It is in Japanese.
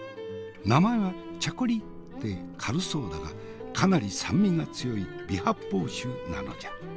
名前は「チャコリ」って軽そうだがかなり酸味が強い微発泡酒なのじゃ。